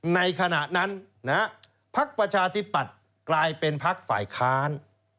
ในขณะนั้นพักประชาธิปัตย์กลายเป็นพักฝ่ายค้าน